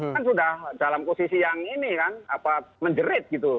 kan sudah dalam posisi yang ini kan menjerit gitu